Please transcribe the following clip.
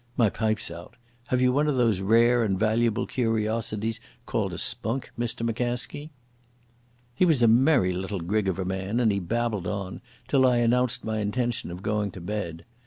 My pipe's out. Have you one of those rare and valuable curiosities called a spunk, Mr McCaskie?" He was a merry little grig of a man, and he babbled on, till I announced my intention of going to bed.